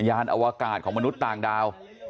ญาณอวกาศของมนุษย์ต่างดาว